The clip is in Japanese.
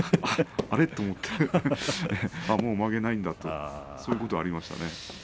あれと思ってああ、もうまげないんだとそういうことがありましたね。